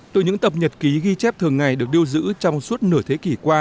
từ những tập nhật ký ghi chép thường ngày được điêu giữ trong suốt nửa thế kỷ qua